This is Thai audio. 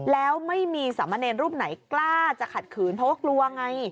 แล้วไม่มีสามเณรรูปไหนกล้าจะขัดขืนเพราะว่ากลัวไง